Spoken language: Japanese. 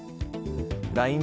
ＬＩＮＥ